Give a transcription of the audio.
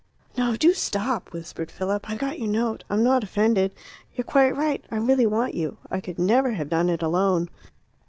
"No, do stop!" whispered Philip. "I got your note. I'm not offended; you're quite right. I really want you; I could never have done it alone."